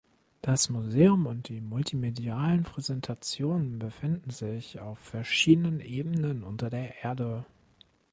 Das Museum und die multimedialen Präsentationen befinden sich auf verschiedenen Ebenen unter der Erde.